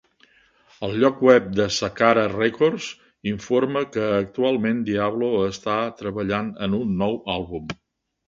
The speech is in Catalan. El lloc web de Sakara Records informa que actualment Diablo està treballant en un nou àlbum.